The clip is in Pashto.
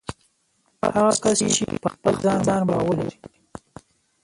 هغه کس چې په خپل ځان باور ولري